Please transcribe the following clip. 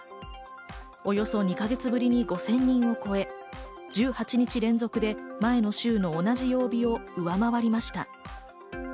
およそ２か月ぶりに５０００人を超え、１８日連続で前の週の同じ曜日を上回りました。